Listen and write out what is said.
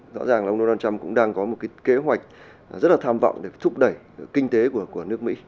rõ ràng là ông donald trump cũng đang có một cái kế hoạch rất là tham vọng để thúc đẩy kinh tế của nước mỹ